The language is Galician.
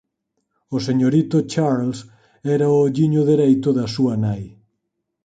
O señorito Charles era o olliño dereito da súa nai.